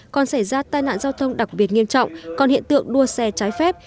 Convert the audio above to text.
còn xảy ra tai nạn giao thông đặc biệt nghiêm trọng còn hiện tượng đua xe trái phép